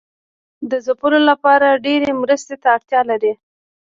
د ځپلو لپاره ډیرې مرستې ته اړتیا لري.